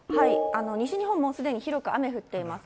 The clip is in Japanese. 西日本、もうすでに広く雨降っています。